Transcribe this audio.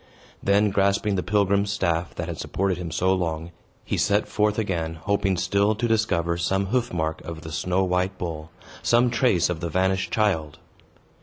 Then, grasping the pilgrim's staff that had supported him so long, he set forth again, hoping still to discover some hoof mark of the snow white bull, some trace of the vanished child.